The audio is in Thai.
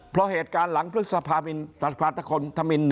เพราะเหตุการณ์หลังพฤษภาพินธรรมศาสตร์๓๕